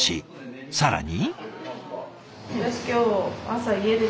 更に。